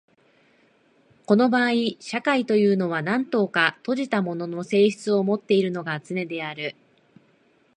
この場合社会というのは何等か閉じたものの性質をもっているのがつねである。